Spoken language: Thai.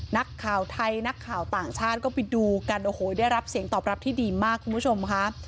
นักข่าวไทยนักข่าวต่างชาติก็ไปดูกันโอ้โหได้รับเสียงตอบรับที่ดีมากคุณผู้ชมค่ะ